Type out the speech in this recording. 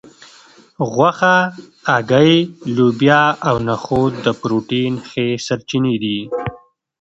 غوښه هګۍ لوبیا او نخود د پروټین ښې سرچینې دي